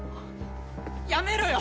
やめろよ！